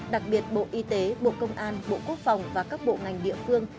đặc biệt bộ y tế bộ công an bộ quốc phòng và các bộ ngành địa phương